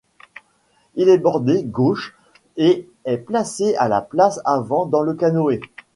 Il est bordé gauche et est placé à la place avant dans le canoë.